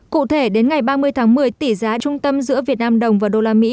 cụ thể đến ngày ba mươi tháng một mươi tỷ giá trung tâm giữa việt nam đồng và đô la mỹ